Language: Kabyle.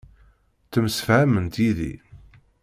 Ttemsefhament yid-i.